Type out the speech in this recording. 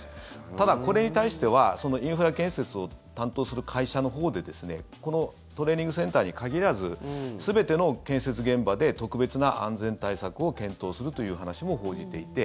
ただ、これに対してはそのインフラ建設を担当する会社のほうでこのトレーニングセンターに限らず、全ての建設現場で特別な安全対策を検討するという話も報じていて